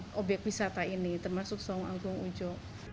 dari pengelola obyek wisata ini termasuk saung angklung ujo